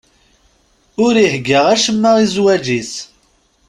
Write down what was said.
Ur ihegga acemma i zzwaǧ-is.